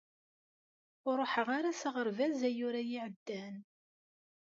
Ur ruḥeɣ ara s aɣerbaz ayyur-ayi iɛeddan.